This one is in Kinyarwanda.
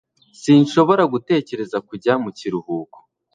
sinshobora gutegereza kujya mu kiruhuko